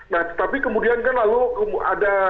nah tapi kemudian kan lalu ada